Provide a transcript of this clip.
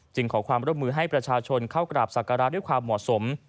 ขอความร่วมมือให้ประชาชนเข้ากราบศักระด้วยความเหมาะสม